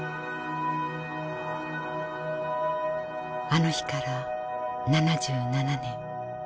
あの日から７７年。